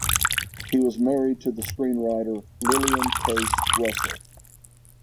He was married to the screenwriter Lillian Case Russell.